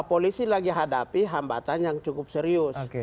polisi lagi hadapi hambatan yang cukup serius